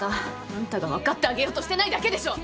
あんたが分かってあげようとしてないだけでしょう。